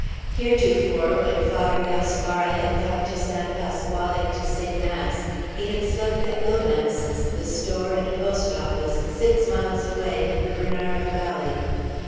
Heretofore, when Father Gaspara had come to San Pasquale to say mass, he had slept at Lomax's, the store and post office, six miles away, in the Bernardo valley.